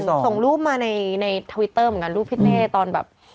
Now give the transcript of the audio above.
ส่งรูปมาในทวิตเตอร์เหมือนกันรูปพี่เต้ตอนแบบ